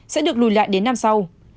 sẽ được lùi lại đến năm sau